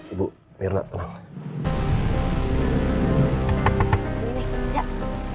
ibu mirna tenang